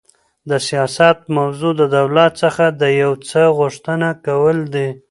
د سیاست موضوع د دولت څخه د یو څه غوښتنه کول دي.